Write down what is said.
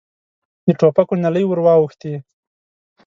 د ټوپکو نلۍ ور واوښتې.